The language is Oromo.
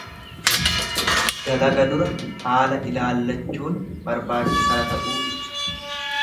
Dalaga dura haala ilaallachuun barbaachisaa ta'uu ibsa.